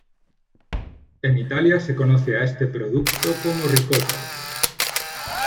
En Italia se conoce a este producto como ricota.